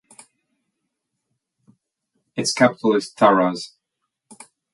Its capital is Taraz.